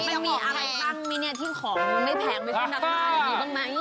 มันมีอะไรตั้งมิเนี่ยที่ของมันไม่แพง